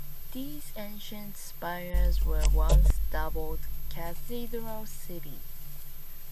These ancient spires were once dubbed "Cathedral City".